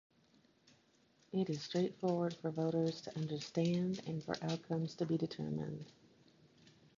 It is straightforward for voters to understand and for the outcomes to be determined.